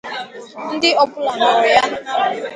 ntị ọbụla nụrụ ya